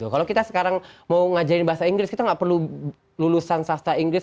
kalau kita sekarang mau ngajarin bahasa inggris kita nggak perlu lulusan sasta inggris